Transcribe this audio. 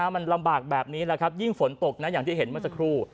มันลำบากแบบนี้แหละครับยิ่งฝนตกนะอย่างที่เห็นเมื่อสักครู่